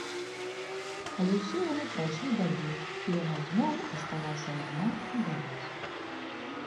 Але ўсе яны прайшлі далей, і яна зноў асталася адна на дарозе.